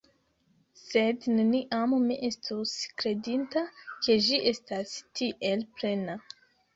Sed neniam mi estus kredinta, ke ĝi estas tiel plena.